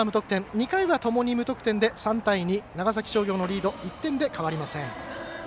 ２回はともに無得点で３対２、長崎商業のリード１点で変わりません。